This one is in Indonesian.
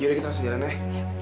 yaudah kita langsung jalan nek